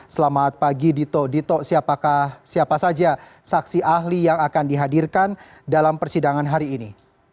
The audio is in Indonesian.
selamat pagi dito dito siapakah siapa saja saksi ahli yang akan dihadirkan dalam persidangan hari ini